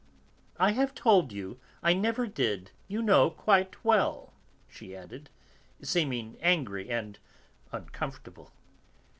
"I have told you, I never did; you know quite well," she added, seeming angry and uncomfortable.